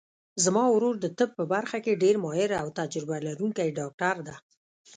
زما ورور د طب په برخه کې ډېر ماهر او تجربه لرونکی ډاکټر ده